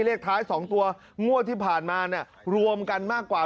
เลขท้าย๒ตัวงวดที่ผ่านมาเนี่ยรวมกันมากกว่า